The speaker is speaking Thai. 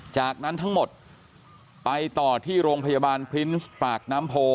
จากนั้นทั้งหมดไปต่อที่โรงพยาบาลพรินส์ปากน้ำโพ